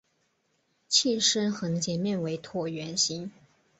器身横截面为椭圆形。